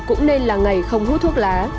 cũng nên là ngày không hút thuốc lá